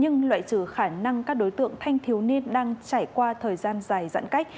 nhưng loại trừ khả năng các đối tượng thanh thiếu niên đang trải qua thời gian dài giãn cách